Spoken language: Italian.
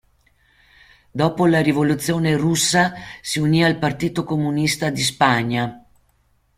Dopo la rivoluzione russa, si unì al Partito Comunista di Spagna.